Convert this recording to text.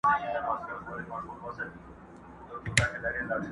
ما یوه شېبه لا بله ځنډولای؛